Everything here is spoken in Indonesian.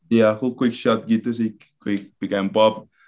ya aku quick shot gitu sih quick m pop